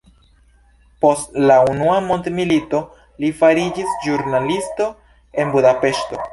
Post la unua mondmilito li fariĝis ĵurnalisto en Budapeŝto.